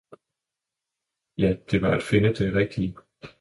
ja, det var at finde det rigtige!